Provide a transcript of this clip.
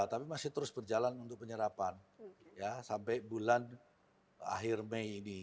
tapi masih terus berjalan untuk penyerapan sampai bulan akhir mei ini